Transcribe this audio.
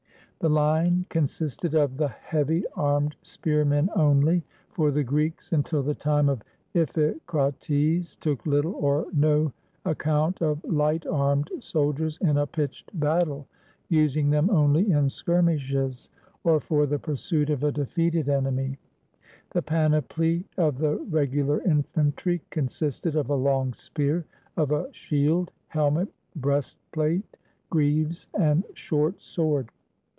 The line consisted of the hea\^ armed spear men only; for the Greeks (until the time of Iphicrates) took little or no account of light armed soldiers in a pitched battle, using them only in skirmishes, or for the pursuit of a defeated enemy. The panoply of the regu lar infantry consisted of a long spear, of a shield, helmet, breast plate, greaves, and short sword.